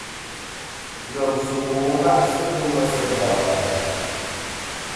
Ngemsɨbo ba'sɨ kemɨ sɨ Ndawara.